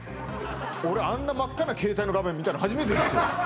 俺あんな真っ赤な携帯の画面見たの初めてですよ